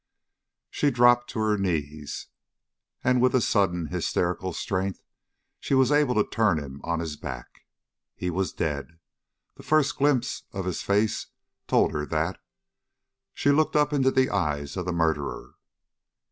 28 She dropped to her knees, and with a sudden, hysterical strength she was able to turn him on his back. He was dead. The first glimpse of his face told her that. She looked up into the eyes of the murderer.